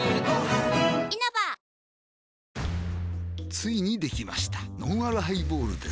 ついにできましたのんあるハイボールです